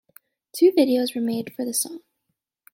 Two videos were made for the song.